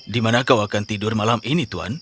di mana kau akan tidur malam ini tuan